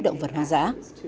động vật hoang dã